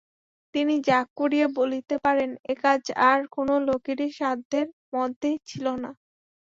তিনি জাঁক করিয়া বলিতে পারেন এ কাজ আর-কোনো লোকেরই সাধ্যের মধ্যেই ছিল না।